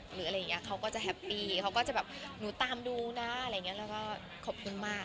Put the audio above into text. หรืออะไรอย่างนี้เขาก็จะแฮปปี้เขาก็จะแบบหนูตามดูนะอะไรอย่างนี้แล้วก็ขอบคุณมาก